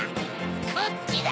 こっちだ！